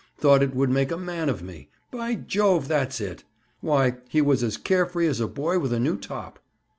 Thought it would make a man of me! By jove, that's it! Why, he was as care free as a boy with a new top!"